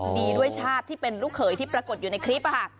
ดีด้วยชาติที่เป็นลูกเขยที่ปรากฏอยู่ในคลิปค่ะ